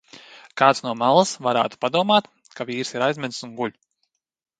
Kāds no malas varētu padomāt, ka vīrs ir aizmidzis un guļ.